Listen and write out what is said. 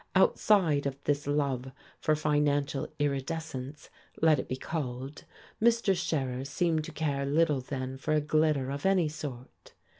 Outside of this love for financial iridescence, let it be called, Mr. Scherer seemed to care little then for glitter of any sort.